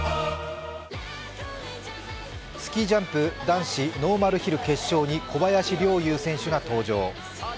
スキージャンプ男子ノーマルヒル決勝に小林陵侑選手が登場。